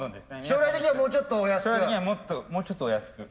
将来的にはもうちょっとお安く？